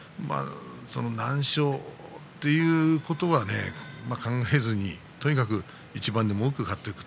何勝ということは考えずにとにかく一番でも多く勝っていく